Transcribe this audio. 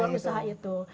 itu di luar usaha itu